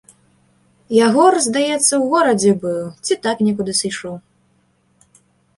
Ягор, здаецца, у горадзе быў ці так некуды сышоў.